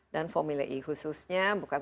dan formula e khususnya bukan